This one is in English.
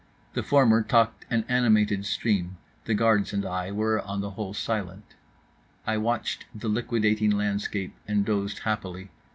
The former talked an animated stream, the guards and I were on the whole silent. I watched the liquidating landscape and dozed happily.